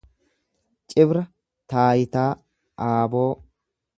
Cibra taayitaa, aaboo.